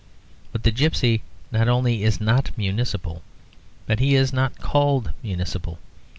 But the gipsy not only is not municipal, but he is not called municipal.